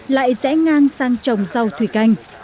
lại rẽ ngang sang trồng rau thủy canh